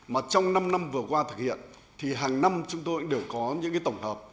mà trong năm năm vừa qua thực hiện thì hàng năm chúng tôi cũng đều có những tổng hợp